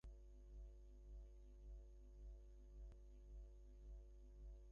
তা, আমরা তো ভাই ফেলে দেবার জিনিস নয় যে অমনি ছেড়ে দিলেই হল।